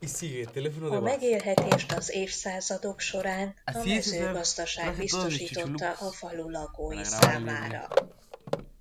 A megélhetést az évszázadok során a mezőgazdaság biztosította a falu lakói számára.